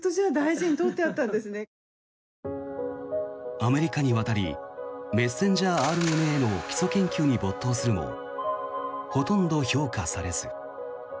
アメリカに渡りメッセンジャーＲＮＡの基礎研究に没頭するもほとんど評価されず。